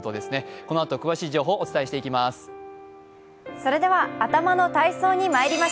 このあと詳しい情報をお伝えしてまいります。